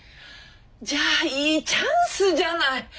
じゃあいいチャンスじゃない。